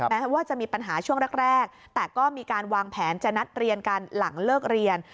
แม้ว่าจะมีปัญหาช่วงแรกแต่ก็มีการวางแผนจะนัดเรียนกันหลังเลิกเรียน